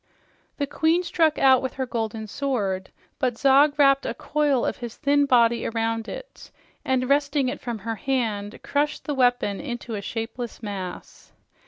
The queen struck out with her golden sword, but Zog wrapped a coil of his thin body around it and, wrestling it from her hand, crushed the weapon into a shapeless mass.